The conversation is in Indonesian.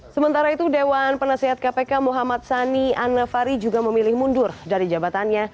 sementara itu dewan penasehat kpk muhammad sani anafari juga memilih mundur dari jabatannya